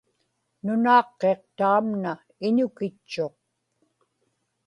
nunaaqqiq taamna iñukitchuq